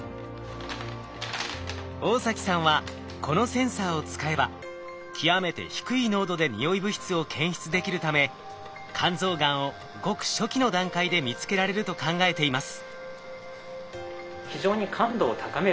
大崎さんはこのセンサーを使えば極めて低い濃度でにおい物質を検出できるため肝臓がんをごく初期の段階で見つけられると考えています。